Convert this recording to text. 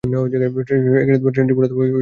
ট্রেনটি মূলত খুলনা ভিত্তিক।